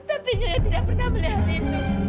tapi saya tidak pernah melihat itu